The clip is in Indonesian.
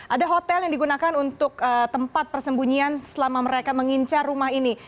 ada hotel yang digunakan untuk tempat persembunyian selama mereka mengincar rumah ini